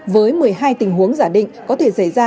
với một mươi hai tình huống giả định có thể xảy ra